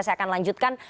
saya akan lanjutkan